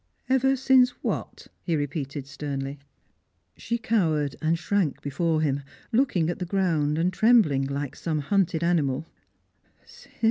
" Ever since what? " he repeated sternly. She cowered and shrank before him, looking at the ground, and trembling like some hunted animal.